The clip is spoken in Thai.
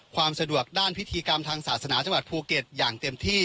ความสะดวกด้านพิธีกรรมทางศาสนาจังหวัดภูเก็ตอย่างเต็มที่